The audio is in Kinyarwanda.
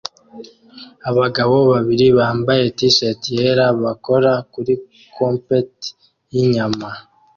Abagabo babiri bambaye t-shati yera bakora kuri compte yinyama